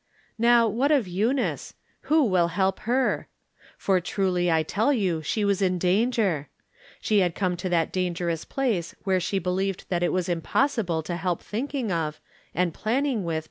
Now what of Eunice ? Who will help her ? For truly I tell you she was in danger. She had come to that dangerous place where she believed that it was impossible to help thinking of, and planning with.